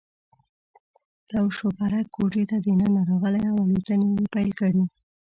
یو شوپرک کوټې ته دننه راغلی او الوتنې یې پیل کړې.